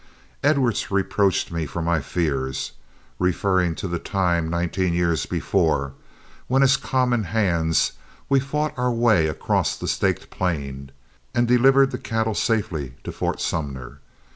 Edwards reproached me for my fears, referring to the time, nineteen years before, when as common hands we fought our way across the Staked Plain and delivered the cattle safely at Fort Sumner.